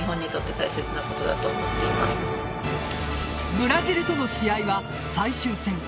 ブラジルとの試合は最終戦。